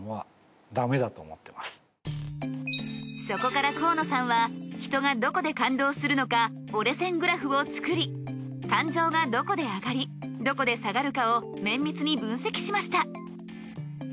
そこから河野さんは人がどこで感動するのか折れ線グラフを作り感情がどこで上がりどこで下がるかを綿密に分析しました。